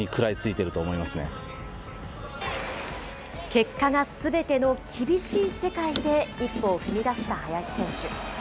結果がすべての厳しい世界で一歩を踏み出した林選手。